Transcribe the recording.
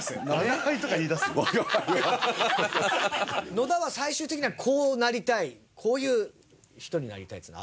野田は最終的にはこうなりたいこういう人になりたいっつうのはあるんですか？